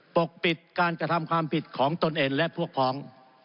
ปกปิดการกระทำความผิดของตนเองและพวกพ้อง